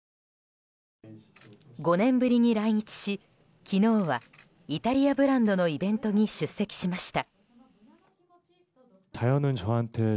５年ぶりに来日し、昨日はイタリアブランドのイベントに出席しました。